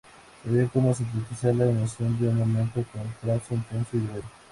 Sabía como sintetizar la emoción de un momento con trazo intenso y breve.